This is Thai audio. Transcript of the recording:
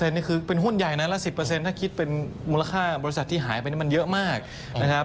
แต่นี่คือเป็นหุ้นใหญ่นะละ๑๐ถ้าคิดเป็นมูลค่าบริษัทที่หายไปนี่มันเยอะมากนะครับ